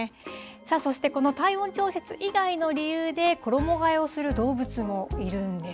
そしてこの体温調節以外の理由で、衣がえをする動物もいるんです。